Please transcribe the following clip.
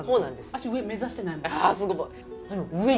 私、上目指してないもん。